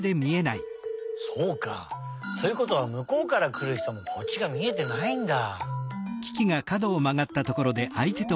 そうか。ということはむこうからくるひともこっちがみえてないんだ。